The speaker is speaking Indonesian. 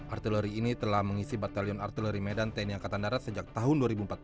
artileri ini telah mengisi batalion artileri medan tni angkatan darat sejak tahun dua ribu empat belas